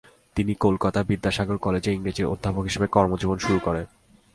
তিনি কলকাতা বিদ্যাসাগর কলেজে ইংরেজির অধ্যাপক হিসেবে কর্মজীবন শুরু করেন।